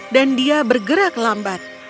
dan dia bergerak lambat